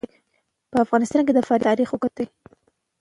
په افغانستان کې د فاریاب تاریخ اوږد دی.